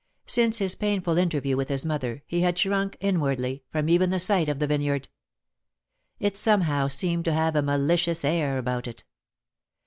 Since his painful interview with his mother, he had shrunk, inwardly, from even the sight of the vineyard. It somehow seemed to have a malicious air about it.